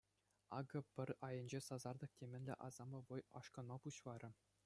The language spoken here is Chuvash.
Акӑ пӑр айӗнче сасартӑк темӗнле асамлӑ вӑй ашкӑнма пуҫларӗ.